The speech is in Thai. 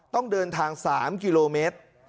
ต้องเดินทาง๓กิโลเมตร